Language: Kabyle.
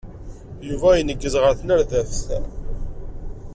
Yuba ineggez ɣer tnerdabt.